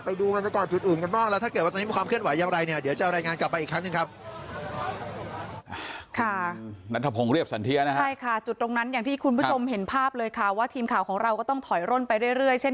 ไปดูมันจะต่อจุดอื่นกันบ้างแล้วถ้าเกิดว่าตอนนี้มีความเคลื่อนไหวอย่างไรเนี้ย